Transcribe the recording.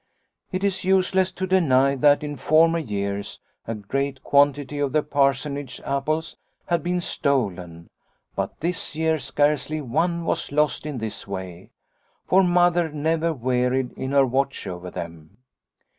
It is useless to deny that in former years a great quantity of the Parsonage apples had been stolen, but this year scarcely one was lost in this way, for Mother never wearied in her watch over them.